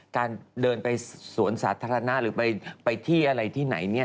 การเดินไปสวนสาธารณะหรือไปที่อะไรที่ไหนเนี่ย